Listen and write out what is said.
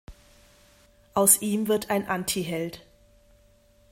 Aus ihm wird ein Anti-Held.